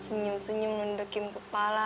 senyum senyum mendekin kepala